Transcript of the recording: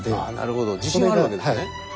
自信はあるわけですね。